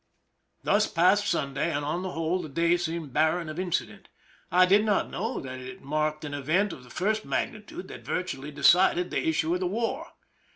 Thus passed Sunday, and on the whole the day seemed barren of incident. I did not know that it marked an event of the first magnitude that virtu ally decided the issue of the war.